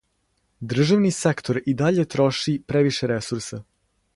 Државни сектор и даље троши превише ресурса.